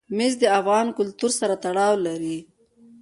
مس د افغان کلتور سره تړاو لري.